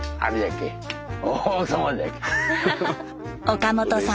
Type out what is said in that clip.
岡本さん